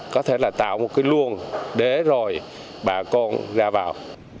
có thể là tạo một cái luồng để rồi bà con ra vào